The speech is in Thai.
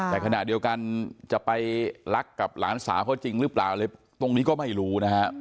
แต่ขณะเดียวกันจะไปรักกับหลานสาวเขาจริงหรือเปล่าอะไรตรงนี้ก็ไม่รู้นะฮะ